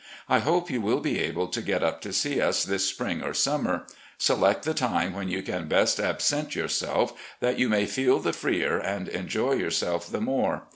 I hope you will be able to get up to see us this spring or summer. Select the time when you can best absent yourself, that you may feel the freer and enjoy yourself the more.